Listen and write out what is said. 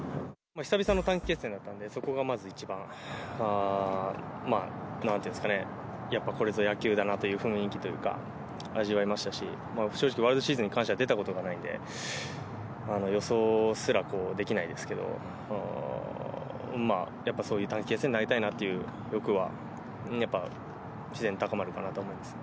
久々の短期決戦だったので、そこがまず一番、まあ、なんていうんですかね、やっぱりこれぞ野球だなという雰囲気というか、味わえましたし、正直、ワールドシリーズに関しては出たことがないんで、予想すらできないですけれども、やっぱりそういう短期決戦で投げたいなという欲は、やっぱ自然と高まるかなと思うんです。